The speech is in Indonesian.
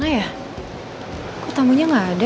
mana ya kok tamunya gak ada